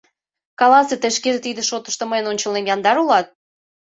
Каласе, тый шкеже тиде шотышто мыйын ончылнем яндар улат?